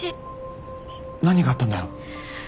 何があったんだよ！？